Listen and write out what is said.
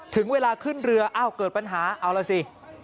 ถึงเวลาขึ้นเรืออ้าวเกิดปัญหาเอาล่ะสิ